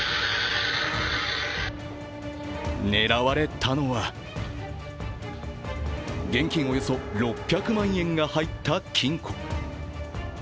狙われたのは現金およそ６００万円が入った金庫。